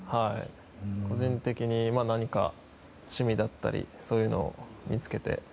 個人的に趣味だったりそういうのを見つけて。